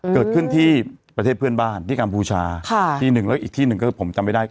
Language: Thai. เกิดขึ้นที่ประเทศเพื่อนบ้านที่กัมพูชาที่หนึ่งแล้วอีกที่หนึ่งก็ผมจำไม่ได้